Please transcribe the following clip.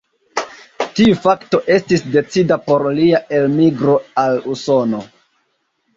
Tiu fakto estis decida por lia elmigro al Usono.